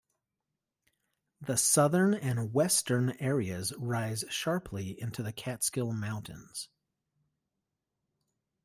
The southern and western areas rise sharply into the Catskill Mountains.